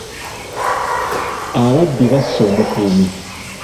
Ababbi basse omukuumi.